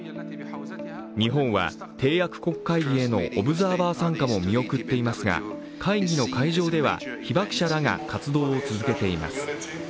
日本は締約国会議へのオブザーバー参加も見送っていますが、会議の会場では被爆者らが活動を続けています。